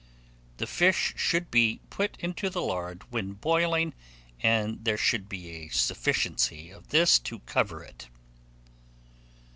The fish should be put into the lard when boiling, and there should be a sufficiency of this to cover it.